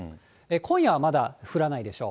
今夜はまだ降らないでしょう。